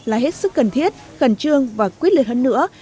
là hết sức cần thiết khẩn trương và quyết liệt hơn nữa